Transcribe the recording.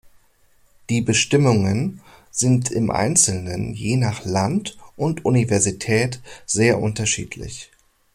Die Bestimmungen sind im Einzelnen je nach Land und Universität sehr unterschiedlich.